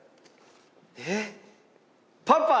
えっ。